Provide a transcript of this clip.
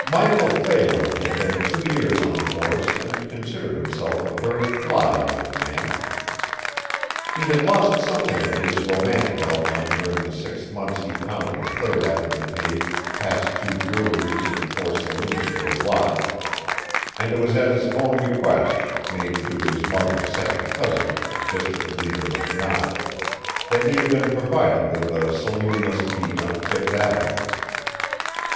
Michael Phelan had been two years on the force and considered himself a very fly young man. He had lost something of his romantic outline during the six months he pounded the Third avenue pave past two breweries and four saloons to a block, and it was at his own request, made through his mother's second cousin, District Leader McNaught, that he had been provided with a saloonless beat on Fifth avenue.